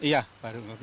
iya baru lewat sini